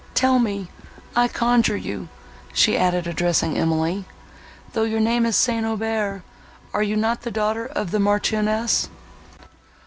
Tell me, I conjure you," she added, addressing Emily, "though your name is St. Aubert, are you not the daughter of the Marchioness?"